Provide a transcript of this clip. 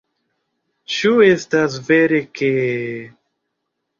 Ĉu estas vere ke...?